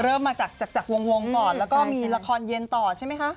เริ่มมาจากจากวงก่อนแล้วก็มีละครเย็นต่อใช่ไหมคะ